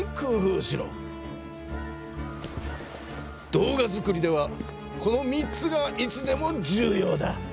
動画作りではこの３つがいつでも重ようだ。